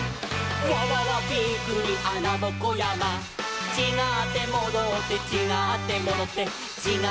「わわわびっくりあなぼこやま」「ちがってもどって」「ちがってもどってちがってもどって」